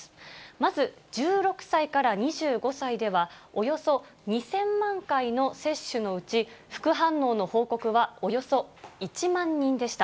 まず、１６歳から２５歳では、およそ２０００万回の接種のうち、副反応の報告は、およそ１万人でした。